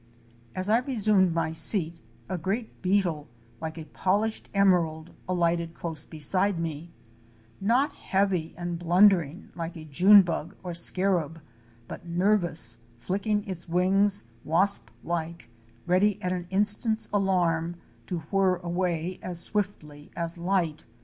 As I resumed my seat, a great beetle, like a polished emer ald, alighted close beside me,—not heavy and blundering, like a June bug or scarab, but nervous, flicking its wings wasp like, ready at an instant's alarm to whirr away as swiftly as light.